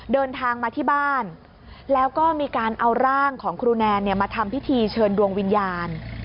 เดินทางมาที่บ้านแล้วก็มีการเอาร่างของครูแนนมาทำพิธีเชิญดวงวิญญาณ